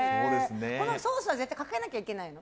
ソースは絶対にかけなきゃいけないの？